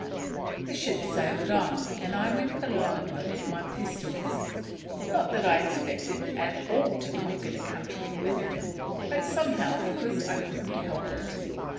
The ship sailed on, and I went below and loaded my pistols; not that I expected at all to conquer the country with them, but somehow because I couldn't help it.